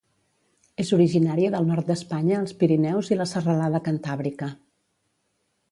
És originària del nord d'Espanya als Pirineus i la serralada Cantàbrica.